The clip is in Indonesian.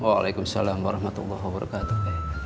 waalaikumsalam warahmatullahi wabarakatuh